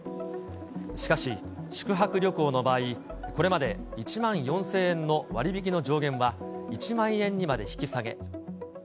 しかし、宿泊旅行の場合、これまで１万４０００円の割引の上限は１万円にまで引き下げ。